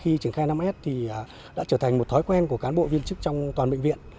khi triển khai năm s thì đã trở thành một thói quen của cán bộ viên chức trong toàn bệnh viện